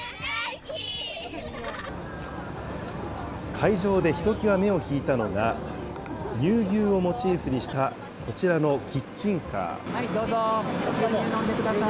会場でひときわ目を引いたのが、乳牛をモチーフにしたこちらのキッチンカー。